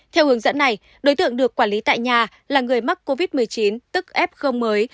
theo hướng dẫn này đối tượng được quản lý tại nhà là người mắc covid một mươi chín tức f mới